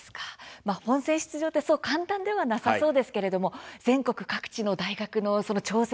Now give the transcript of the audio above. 本選出場はそう簡単ではなさそうですが全国各地の大学の挑戦